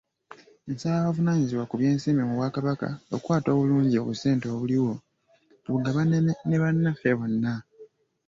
Nsaba abavunaanyizibwa ku by'ensimbi mu bwa kabaka okukwata obulungi obusente obuliwo tubugabane ne bannaffe bonna.